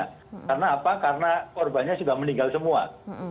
karena apa karena korbannya sudah meninggal semua